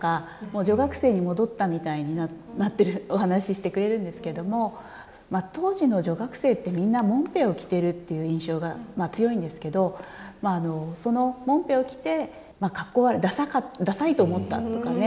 女学生に戻ったみたいになってお話ししてくれるんですけども当時の女学生ってみんなもんぺを着てるっていう印象が強いんですけどそのもんぺを着てかっこ悪い「ださいと思った」とかね。